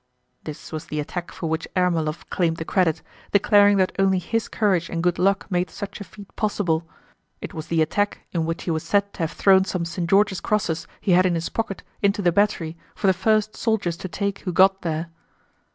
(This was the attack for which Ermólov claimed the credit, declaring that only his courage and good luck made such a feat possible: it was the attack in which he was said to have thrown some St. George's Crosses he had in his pocket into the battery for the first soldiers to take who got there.)